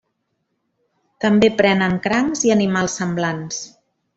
També prenen crancs i animals semblants.